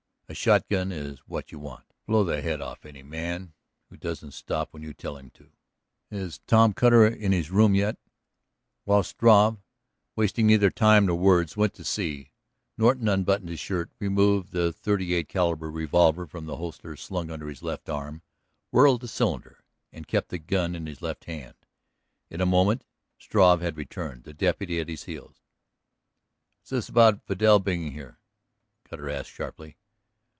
A shotgun is what you want. Blow the head off any man who doesn't stop when you tell him to. Is Tom Cutter in his room yet?" While Struve, wasting neither time nor words, went to see, Norton unbuttoned his shirt, removed the thirty eight caliber revolver from the holster slung under his left arm, whirled the cylinder, and kept the gun in his left hand. In a moment Struve had returned, the deputy at his heels. "What's this about Vidal being here?" Cutter asked sharply.